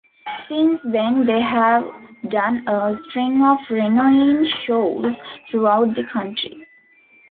Since then they have done a string of reunion shows throughout the country.